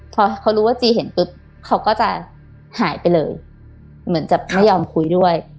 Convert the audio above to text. พอเขารู้ว่าจีเห็นปุ๊บเขาก็จะหายไปเลยเหมือนจะไม่ยอมคุยด้วย